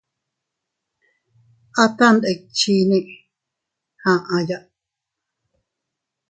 Aata ndikchinne aʼaya.